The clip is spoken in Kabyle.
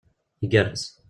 Igerrez